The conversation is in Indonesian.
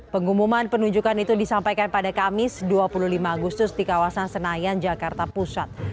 pengumuman penunjukan itu disampaikan pada kamis dua puluh lima agustus di kawasan senayan jakarta pusat